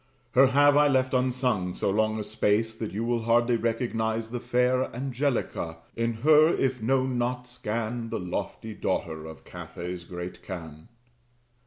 Her have I left unsung so long a space, That you will hardly recognize the fair Angelica: in her (if known not) scan The lofty daughter of Catay's great khan.